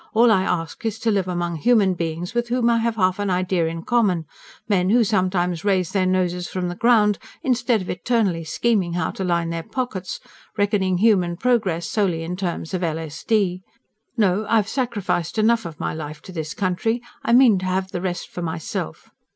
All I ask is to live among human beings with whom I have half an idea in common men who sometimes raise their noses from the ground, instead of eternally scheming how to line their pockets, reckoning human progress solely in terms of l.s.d. No, I've sacrificed enough of my life to this country. I mean to have the rest for myself.